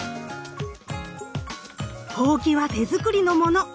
ほうきは手作りのもの！